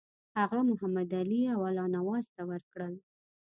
هغه محمدعلي او الله نواز ته ورکړل.